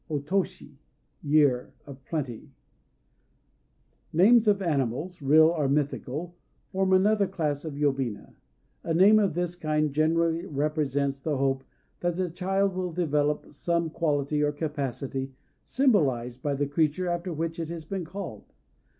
O Toshi "Year [of Plenty]." Names of animals real or mythical form another class of yobina. A name of this kind generally represents the hope that the child will develop some quality or capacity symbolized by the creature after which it has been called.